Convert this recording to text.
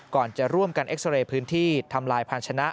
ก่อนจะร่วมกันเอ็กซาเรย์พื้นที่ทำลายพาชนะ